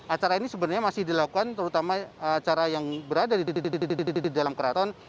acara ini sebenarnya masih dilakukan terutama acara yang berada di dalam keraton